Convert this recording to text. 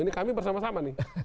ini kami bersama sama nih